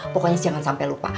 pokoknya jangan sampai lupa